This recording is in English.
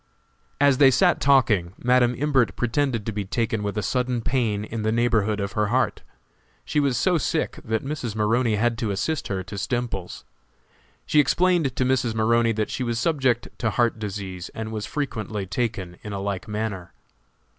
As they sat talking Madam Imbert pretended to be taken with a sudden pain in the neighborhood of her heart. She was so sick that Mrs. Maroney had to assist her to Stemples's. She explained to Mrs. Maroney that she was subject to heart disease, and was frequently taken in a like manner.